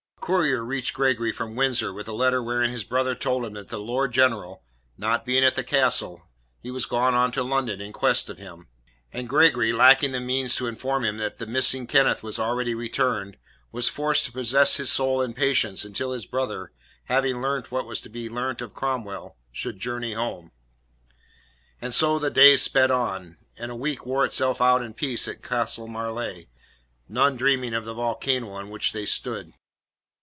A courier reached Gregory from Windsor with a letter wherein his brother told him that the Lord General, not being at the castle, he was gone on to London in quest of him. And Gregory, lacking the means to inform him that the missing Kenneth was already returned, was forced to possess his soul in patience until his brother, having learnt what was to be learnt of Cromwell, should journey home. And so the days sped on, and a week wore itself out in peace at Castle Marleigh, none dreaming of the volcano on which they stood.